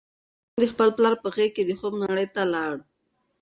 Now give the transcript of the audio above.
ماشوم د خپل پلار په غېږ کې د خوب نړۍ ته لاړ.